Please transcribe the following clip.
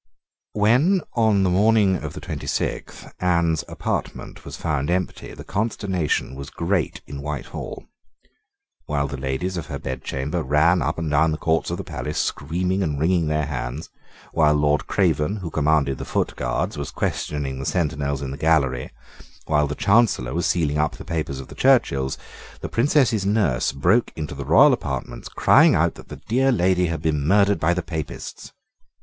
When, on the morning of the twenty sixth, Anne's apartment was found empty, the consternation was great in Whitehall. While the Ladies of her Bedchamber ran up and down the courts of the palace, screaming and wringing their hands, while Lord Craven, who commanded the Foot Guards, was questioning the sentinels in the gallery, while the Chancellor was sealing up the papers of the Churchills, the Princess's nurse broke into the royal apartments crying out that the dear lady had been murdered by the Papists.